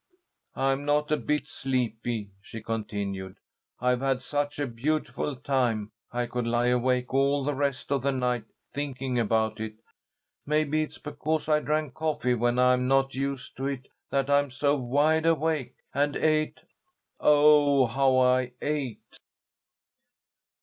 "I'm not a bit sleepy," she continued. "I've had such a beautiful time I could lie awake all the rest of the night thinking about it. Maybe it's because I drank coffee when I'm not used to it that I'm so wide awake, and I ate oh, how I ate!"